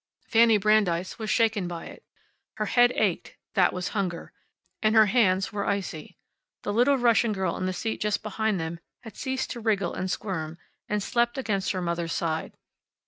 Fanny Brandeis was shaken by it. Her head ached (that was hunger) and her hands were icy. The little Russian girl in the seat just behind them had ceased to wriggle and squirm, and slept against her mother's side.